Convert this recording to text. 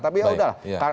tapi ya udah lah